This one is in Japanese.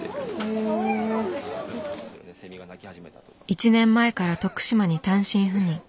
１年前から徳島に単身赴任。